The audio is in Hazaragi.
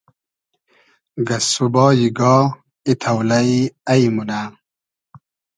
گئسسوبای گا ای تۆلݷ اݷ مونۂ